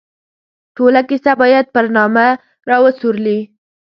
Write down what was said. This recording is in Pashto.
ټوله کیسه باید پر نامه را وڅورلي.